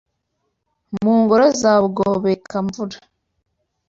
Mu ngoro za Bugobeka-mvura